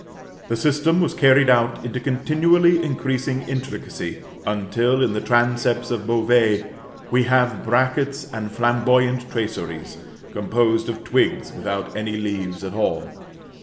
The system was carried out into continually increasing intricacy, until, in the transepts of Beauvais, we have brackets and flamboyant traceries, composed of twigs without any leaves at all.